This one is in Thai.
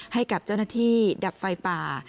ให้กับเจ้าหน้าที่ดับไฟป่า